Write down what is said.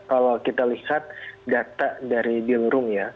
kalau kita lihat data dari deal room ya